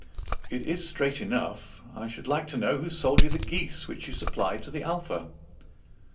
"It is straight enough. I should like to know who sold you the geese which you supplied to the Alpha."